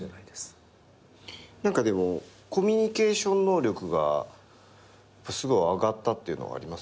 何かでもコミュニケーション能力がすごい上がったってのあります？